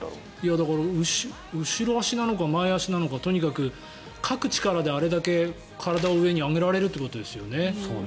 だから後ろ足なのか前足なのかとにかく、かく力であれだけ体を上に上げられるってことですよね。